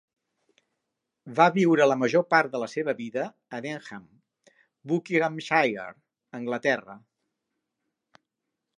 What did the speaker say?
Va viure la major part de la seva vida a Denham, Buckinghamshire, Anglaterra.